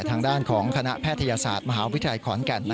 ทางด้านของคณะแพทยศาสตร์มหาวิทยาลัยขอนแก่น